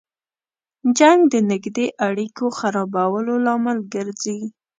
جنګ د نږدې اړیکو خرابولو لامل ګرځي.